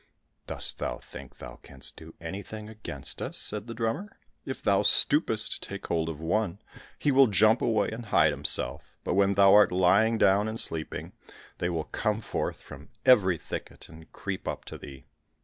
"Dost thou think thou canst do anything against us?" said the drummer; "if thou stoopest to take hold of one, he will jump away and hide himself; but when thou art lying down and sleeping, they will come forth from every thicket, and creep up to thee.